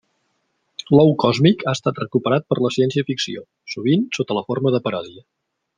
L'ou còsmic ha estat recuperat per la ciència-ficció, sovint sota la forma de paròdia.